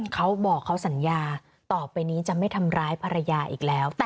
เขาบอกเขาสัญญาต่อไปนี้จะไม่ทำร้ายภรรยาอีกแล้ว